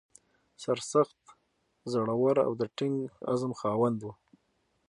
سرسخت، زړه ور او د ټینګ عزم خاوند و.